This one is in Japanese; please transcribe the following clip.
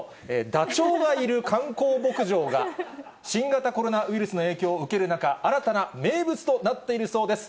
ダチョウがいる観光牧場が、新型コロナウイルスの影響を受ける中、新たな名物となっているそうです。